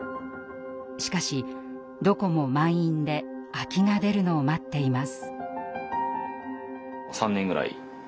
しかしどこも満員で空きが出るのを待っています。